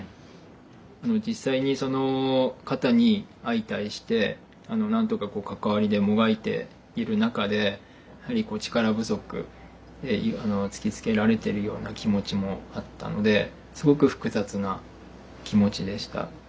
実際にその方に相対してなんとか関わりでもがいている中でやはり力不足って突きつけられているような気持ちもあったのですごく複雑な気持ちでした。